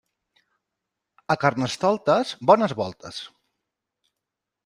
A Carnestoltes, bones voltes.